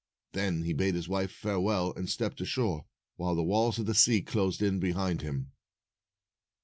Then he bade his wife farewell and stepped ashore, while the walls of the sea closed in behind him.